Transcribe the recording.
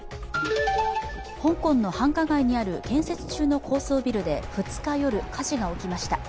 香港の繁華街にある建設中の高層ビルで２日夜、火事が起きました。